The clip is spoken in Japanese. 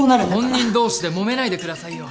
本人同士でもめないでくださいよ。